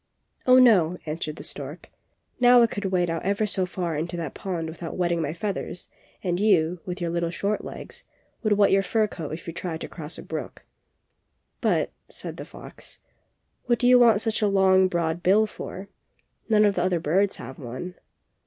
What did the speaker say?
'^Oh, no!" answered the stork. ^^Now I could wade out ever so far into that pond without wetting my feathers, and you, with your little short legs, would wet your fur coat if you tried to cross a brook." ^^But," said the fox, "what do you want such a long, broad bill for? None of the other birds have one."